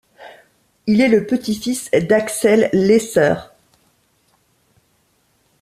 Il est le petit-fils d'Axel Lesser.